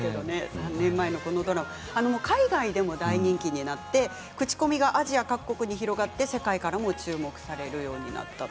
３年前のこのドラマは、海外でも大人気になって口コミがアジア各国に広がって世界からも注目されるようになったと。